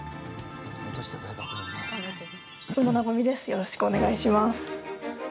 よろしくお願いします。